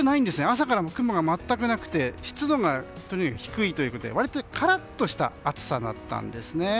朝から雲が全くなくて湿度がとにかく低いということで割とカラッとした暑さだったんですね。